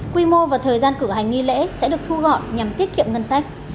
quy mô và thời gian cử hành nghi lễ sẽ được thu gọn nhằm tiết kiệm ngân sách